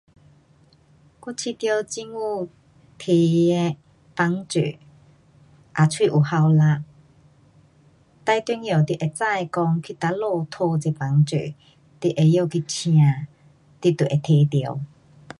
我觉得政府提的帮助也蛮有效率。最重要得会知讲去哪里讨这帮助。你会晓去请。你就会提到。